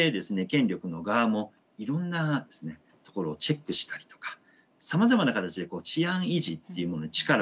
権力の側もいろんなところをチェックしたりとかさまざまな形で治安維持っていうものに力を入れていくわけです。